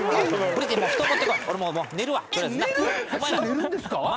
寝るんですか？